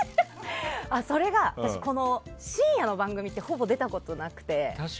それが、深夜の番組ってほぼ出たことなくて。